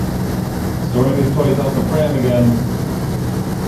He’s throwing his toys out the pram again